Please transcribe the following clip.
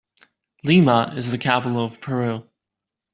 Lima is the capital of Peru.